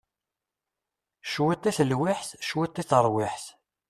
Cwiṭ i telwiḥt cwiṭ i teṛwiḥt!